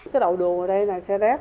cái đầu đồ ở đây là xe rét